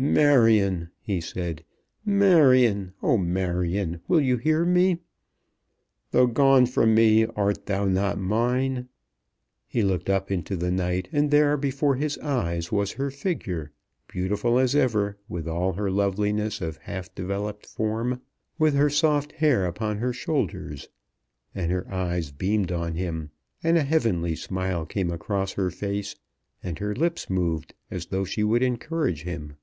"Marion," he said; "Marion; oh, Marion, will you hear me? Though gone from me, art thou not mine?" He looked up into the night, and there, before his eyes, was her figure, beautiful as ever, with all her loveliness of half developed form, with her soft hair upon her shoulders; and her eyes beamed on him, and a heavenly smile came across her face, and her lips moved as though she would encourage him.